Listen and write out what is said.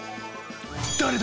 誰だ？